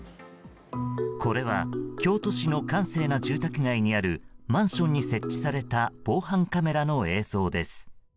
これは京都市の閑静な住宅街にあるマンションに設置された防犯カメラの映像です。